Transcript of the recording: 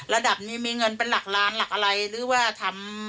ระดับนี้มีเงินเป็นหลักล้านหลักอะไรหรือว่าทำ